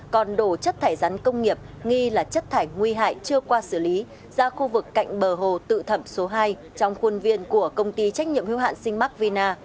còn đổ chất thải rắn công nghiệp nghi là chất thải nguy hại chưa qua xử lý ra khu vực cạnh bờ hồ tự thẩm số hai trong khuôn viên của công ty trách nhiệm hưu hạn sinh mac vina